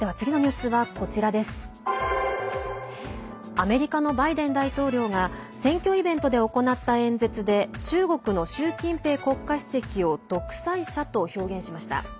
アメリカのバイデン大統領が選挙イベントで行った演説で中国の習近平国家主席を独裁者と表現しました。